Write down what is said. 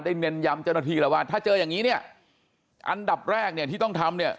เน้นย้ำเจ้าหน้าที่แล้วว่าถ้าเจออย่างนี้เนี่ยอันดับแรกเนี่ยที่ต้องทำเนี่ย